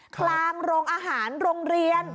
โรงอาหารโรงเรียน